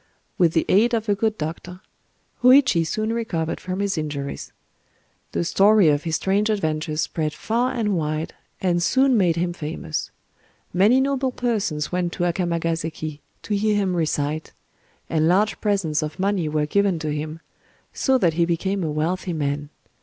With the aid of a good doctor, Hōïchi soon recovered from his injuries. The story of his strange adventure spread far and wide, and soon made him famous. Many noble persons went to Akamagaséki to hear him recite; and large presents of money were given to him,—so that he became a wealthy man...